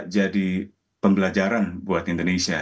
jadi pembelajaran buat indonesia